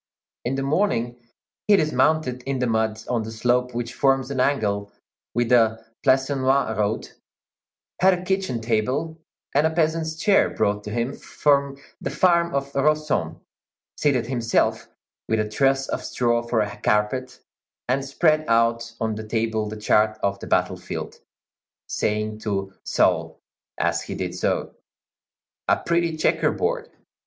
In the morning he dismounted in the mud on the slope which forms an angle with the Plancenoit road, had a kitchen table and a peasant's chair brought to him from the farm of Rossomme, seated himself, with a truss of straw for a carpet, and spread out on the table the chart of the battle field, saying to Soult as he did so, "A pretty checker board."